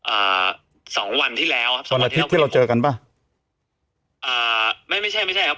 อ่าสองวันที่แล้วครับวันอาทิตย์เพื่อนเราเจอกันป่ะอ่าไม่ไม่ใช่ไม่ใช่ครับ